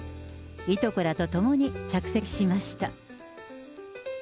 いとこらと共に着席しました。